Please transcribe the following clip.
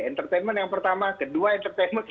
entertainment yang pertama kedua entertainment